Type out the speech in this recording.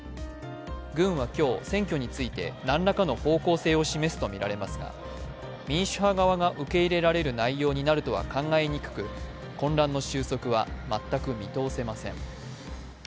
軍は今日、選挙について何らかの方向性を示すとみられますが民主派側が受け入れられる内容になるとは考えにくく混乱の収束は全く見通せません。